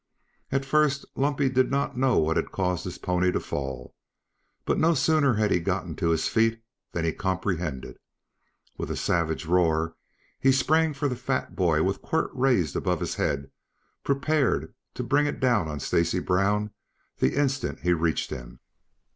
At first Lumpy did not know what had caused his pony to fall. But no sooner had he gotten to his feet than he comprehended. With a savage roar he sprang for the fat boy with quirt raised above his head, prepared to bring it down on Stacy Brown the instant he reached him.